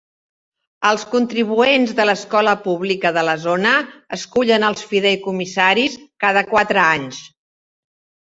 Els contribuents de l'escola pública de la zona escullen els fideïcomissaris cada quatre anys.